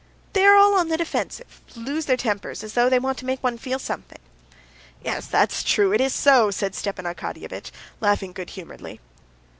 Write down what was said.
They are all on the defensive, lose their tempers, as though they all want to make one feel something...." "Yes, that's true, it is so," said Stepan Arkadyevitch, laughing good humoredly.